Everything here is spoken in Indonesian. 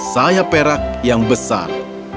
sayap perak yang besar